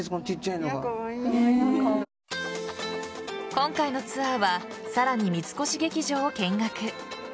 今回のツアーはさらに三越劇場を見学。